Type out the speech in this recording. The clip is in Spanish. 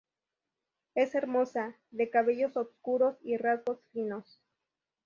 Es hermosa, de cabellos oscuros y rasgos finos.